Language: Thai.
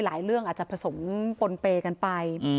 หลายเรื่องอาจจะผสมปนเปกันไป